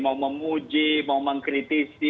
mau memuji mau mengkritisi